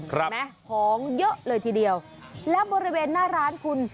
ไหมของเยอะเลยทีเดียวแล้วบริเวณหน้าร้านคุณ